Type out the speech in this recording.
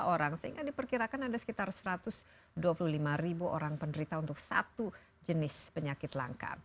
tiga orang sehingga diperkirakan ada sekitar satu ratus dua puluh lima ribu orang penderita untuk satu jenis penyakit langka